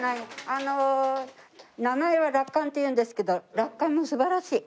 あの名前は落款っていうんですけど落款も素晴らしい。